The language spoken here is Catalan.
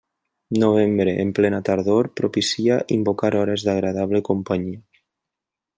Novembre, en plena tardor, propicia invocar hores d'agradable companyia.